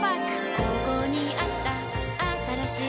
ここにあったあったらしい